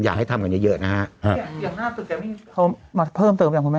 อยากให้ทำกันเยอะนะฮะเออยังห้าตึกจะไม่เพิ่มเติมอย่างคุณแม่ง